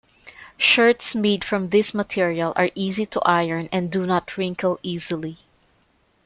Shirts made from this material are easy to iron and do not wrinkle easily.